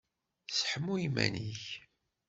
Seḥmu iman-ik!